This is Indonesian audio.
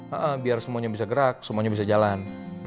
ah biar semuanya bisa gerak semuanya bisa jalan